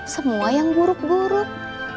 semua yang gurup gurup